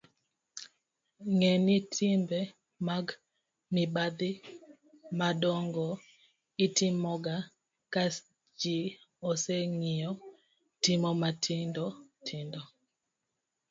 ng'e ni timbe mag mibadhi madongo' itimoga ka ji oseng'iyo timo matindotindo